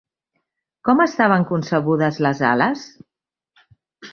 Com estaven concebudes les ales?